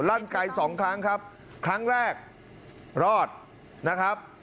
ลั่นไกลสองครั้งครับครั้งแรกรอดนะครับ